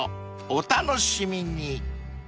お楽しみに］